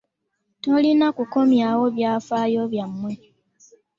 Tolina kukomyawo byafaayo byammwe.